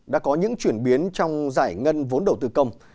đã có những chuyển biến trong giải ngân vốn đầu tư công